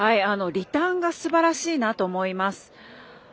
リターンがすばらしいなと思います。